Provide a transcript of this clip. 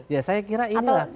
ya saya kira inilah